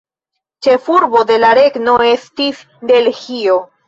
Ĉefurbo de la regno estis Delhio.